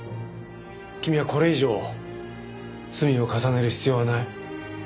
君はこれ以上罪を重ねる必要はない。